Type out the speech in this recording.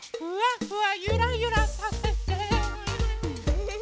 ふわふわ。